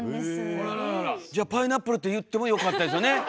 じゃ「パイナップル」って言ってもよかったですよね。